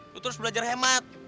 lo terus belajar hemat